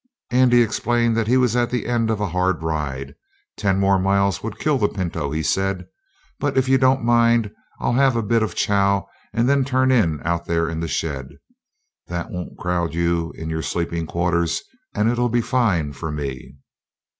Andy explained that he was at the end of a hard ride. "Ten more miles would kill the pinto," he said. "But if you don't mind, I'll have a bit of chow and then turn in out there in the shed. That won't crowd you in your sleeping quarters, and it'll be fine for me."